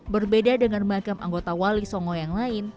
berbeda dengan makam anggota wali songo yang lain